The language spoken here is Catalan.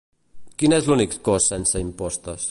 Quin és l'únic cos sense impostes?